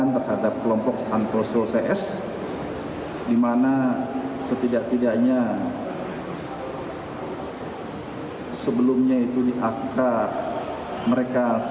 kepala badan nasional penanggulangan terorisme boy rafli amar menyebut